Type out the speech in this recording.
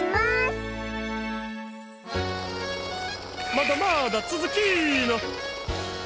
まだまだつづきの！